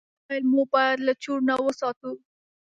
موبایل مو باید له چور نه وساتو.